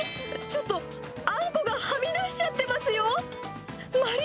ちょっとあんこがはみ出しちゃってますよ。